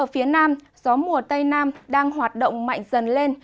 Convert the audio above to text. ở phía nam gió mùa tây nam đang hoạt động mạnh dần lên